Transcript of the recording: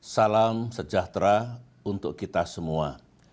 salam sejahtera untuk kita semua